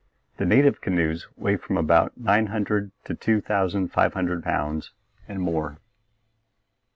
The native canoes weigh from about nine hundred to two thousand five hundred pounds and more.